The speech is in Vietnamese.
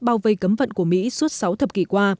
bao vây cấm vận của mỹ suốt sáu thập kỷ qua